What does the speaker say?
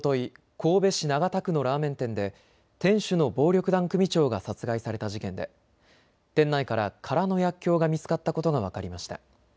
神戸市長田区のラーメン店で店主の暴力団組長が殺害された事件で店内から空の薬きょうが見つかったことが分かりました。